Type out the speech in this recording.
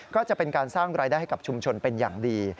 ก็จะเป็นการสร้างรายได้ให้กับชุมชนเป็นอย่างดี